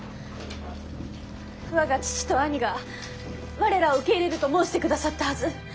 我が父と兄が我らを受け入れると申してくださったはず。